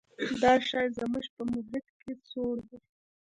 دا شی زموږ په محیط کې سوړ دی.